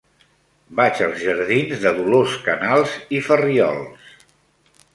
Vaig als jardins de Dolors Canals i Farriols.